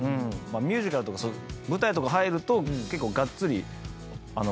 ミュージカルとか舞台とか入ると結構がっつり。